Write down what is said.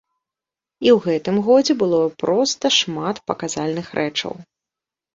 І ў гэтым годзе было проста шмат паказальных рэчаў.